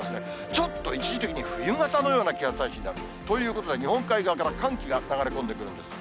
ちょっと一時的に冬型のような気圧配置になる、ということで、日本海側から寒気が流れ込んでくるんです。